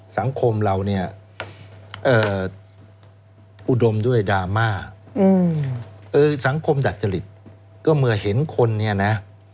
สังคมเราเนี่ยอุดมด้วยดราม่าสังคมดัดจริตก็เมื่อเห็นคนเนี่ยนะ